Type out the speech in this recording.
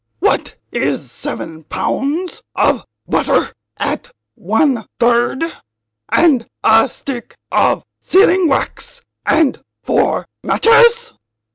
"What is seven pounds of butter at 1/3, and a stick of sealing wax and four matches?"